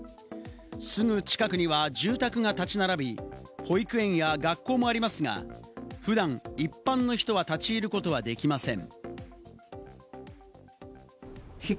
すぐ近くには住宅が建ち並び、保育園や学校もありますが、普段、一般の人は立ち入ることはできません。